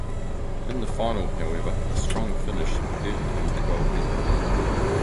In the final, however, a strong finish earned him the gold medal.